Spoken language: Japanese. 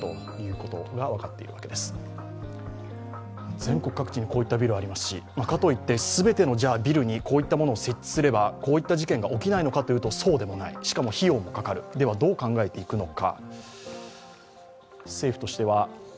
全国各地にこういったビルがありますし、かといって全てのビルにこういったものを設置すればこういった事件が起きないのかといえばそうでもない、しかも費用もかかるではどう考えていくのか。